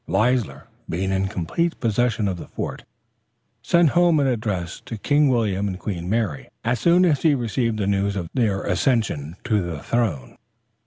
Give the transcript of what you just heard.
Leisler, being in complete possession of the fort, sent home an address to King William and Queen Mary, as soon as he received the news of their accession to the throne.